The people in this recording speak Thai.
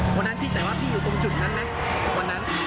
แต่ว่าพี่อยู่ตรงจุดนั้นไหม